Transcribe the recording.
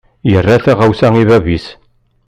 Yerra taɣawsa i bab-is.